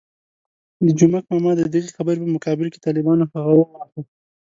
د جومک ماما د دغې خبرې په مقابل کې طالبانو هغه وواهه.